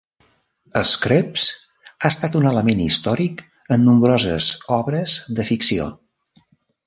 Scripps ha estat un element històric en nombroses obres de ficció.